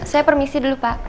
saya permisi dulu pak